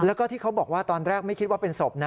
แล้วก็ที่เขาบอกว่าตอนแรกไม่คิดว่าเป็นศพนะ